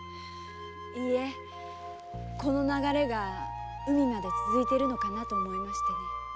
いえこの流れが海まで続いているのかと思いまして。